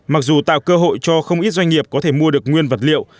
mặc dù tạo cơ hội cho không ít doanh nghiệp có thể mua được nguyên vật liệu